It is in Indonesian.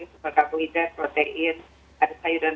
berupa karbohidrat protein ada sayuran